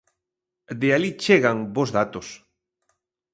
De alí chegan bos datos.